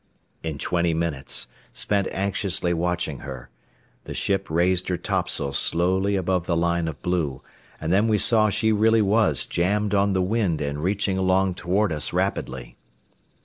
In twenty minutes, spent anxiously watching her, the ship raised her topsails slowly above the line of blue, and then we saw she really was jammed on the wind and reaching along toward us rapidly.